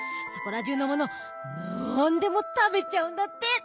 そこらじゅうのものなんでもたべちゃうんだって。